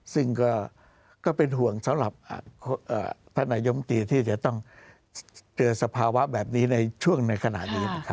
ซึ่งก็เป็นห่วงสำหรับท่านนายมตีที่จะต้องเจอสภาวะแบบนี้ในช่วงในขณะนี้นะครับ